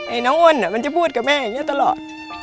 น้องอ้วนมันจะพูดกับแม่อย่างนี้ตลอด